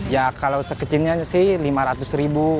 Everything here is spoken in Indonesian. ya kalau sekecilnya sih rp lima ratus